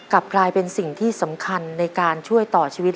กลับกลายเป็นสิ่งที่สำคัญในการช่วยต่อชีวิต